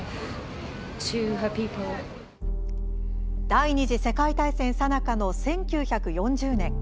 第二次世界大戦さなかの１９４０年